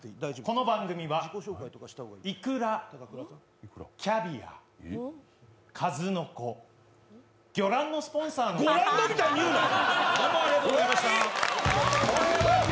この番組は、いくら、キャビア、数の子、魚卵のスポンサーのご覧のみたいに言うなよ！